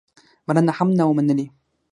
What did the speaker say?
بلنه هم نه وه منلې.